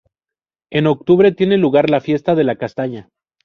En octubre tiene lugar la fiesta de la castaña.